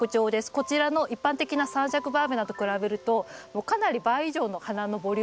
こちらの一般的な三尺バーベナと比べるともうかなり倍以上の花のボリュームがありますし